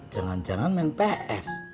jangan jangan main ps